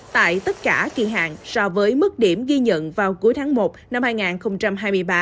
tại tất cả kỳ hạn so với mức điểm ghi nhận vào cuối tháng một năm hai nghìn hai mươi ba